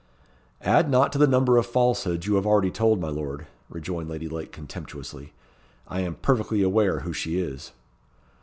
"Add not to the number of falsehoods you have already told, my lord," rejoined Lady Lake, contemptuously. "I am perfectly aware who she is."